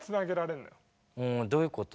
うんどういうこと？